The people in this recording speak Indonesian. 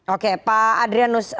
oke pak adrianus